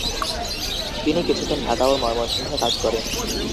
তিনি কিছুদিন ঢাকা ও ময়মনসিংহে কাজ করেন।